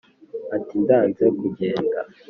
ati: ndanze kugenda